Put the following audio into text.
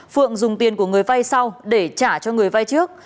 phượng dùng tiền của người vay sau để trả cho người vay trước